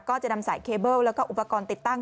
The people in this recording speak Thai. ก็จะนำสายเคเบิ้ลแล้วก็อุปกรณ์ติดตั้ง